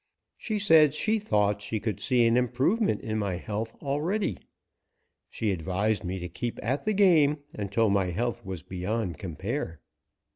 She said she thought she could see an improvement in my health already. She advised me to keep at the game until my health was beyond compare.